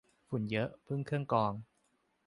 ฝุ่นเยอะพึ่งเครื่องกรอง